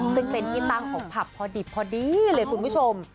ซึ่งเป็นที่ตั้งของผับพอดิบพอดีเลยคุณผู้ชม